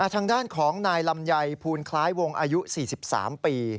ทางด้านของนายลำไยภูลคล้ายวงอายุ๔๓ปี